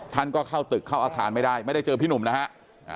ท่านก็เข้าตึกเข้าอาคารไม่ได้ไม่ได้เจอพี่หนุ่มนะฮะ